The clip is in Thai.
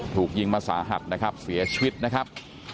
ถูกยิงมาสาหัสนะครับเสียชีวิตนะครับ